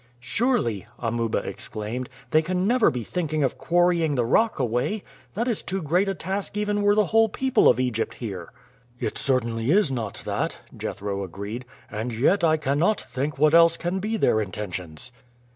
"Surely," Amuba exclaimed, "they can never be thinking of quarrying the rock away! That is too great a task even were the whole people of Egypt here." "It certainly is not that," Jethro agreed; "and yet I cannot think what else can be their intentions."